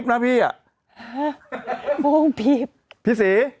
ครับว่าไง